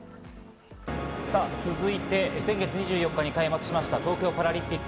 続いて、先月２４日に開幕した東京パラリンピック。